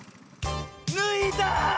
ぬいだ！